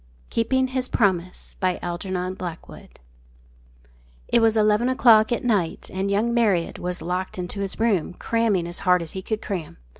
KEEPING HIS PROMISE It was eleven o'clock at night, and young Marriott was locked into his room, cramming as hard as he could cram.